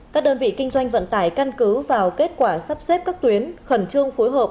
các đơn vị kinh doanh vận tải căn cứ vào kết quả sắp xếp các tuyến khẩn trương phối hợp